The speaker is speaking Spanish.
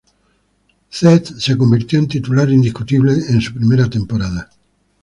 Čech se convirtió en titular indiscutible en su primera temporada.